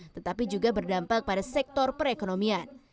tetapi juga berdampak pada sektor perekonomian